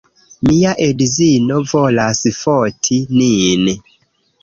Mia edzino volas foti nin